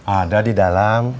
ada di dalam